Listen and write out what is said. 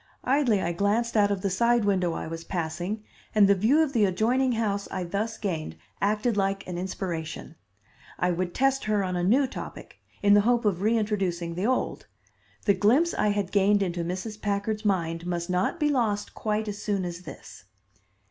Idly I glanced out of the side window I was passing, and the view of the adjoining house I thus gained acted like an inspiration. I would test her on a new topic, in the hope of reintroducing the old. The glimpse I had gained into Mrs. Packard's mind must not be lost quite as soon as this.